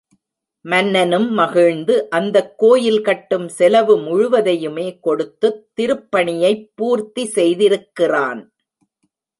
மன்னனும் மகிழ்ந்து அந்தக் கோயில் கட்டும் செலவு முழுவதையுமே கொடுத்துத் திருப்பணியைப் பூர்த்தி செய்திருக்கிறான்.